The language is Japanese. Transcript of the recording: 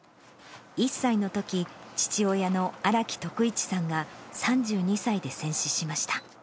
１歳のとき、父親の荒木徳一さんが３２歳で戦死しました。